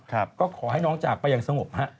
ก็ขอให้น้องจากไปอย่างสงบฮะ